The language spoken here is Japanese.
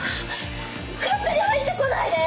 勝手に入ってこないでよ！